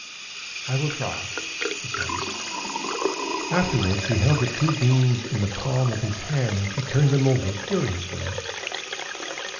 "I will try," she promised. Afterwards, he held the two beans in the palm of his hand and she turned them over curiously.